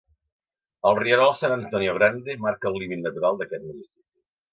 El rierol San Antonio Grande marca el límit natural d'aquest municipi.